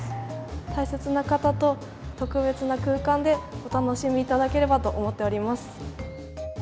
大切な方と特別な空間でお楽しみいただければと思っております。